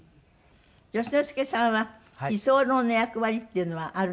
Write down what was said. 善之介さんは居候の役割っていうのはあるんですか？